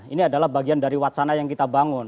ini adalah bagian dari wacana yang kita bangun